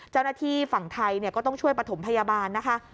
เจ้าหน้าที่ฝั่งไทยก็ต้องช่วยประถมพยาบาลนะคะ